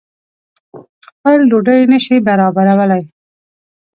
خپل ډوډۍ نه شي برابرولای.